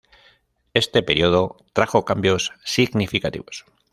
Este período trajo cambios significativos.